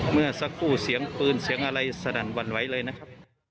เมื่อสักครู่เสียงปืนเสียงอะไรสนั่นหวั่นไหวเลยนะครับ